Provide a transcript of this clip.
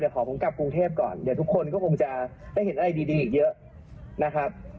ขอผมกลับกรุงเทพก่อนเดี๋ยวทุกคนก็คงจะได้เห็นอะไรดีอีกเยอะนะครับ